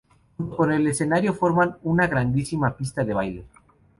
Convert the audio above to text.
Junto con el escenario forman una grandísima pista de baile.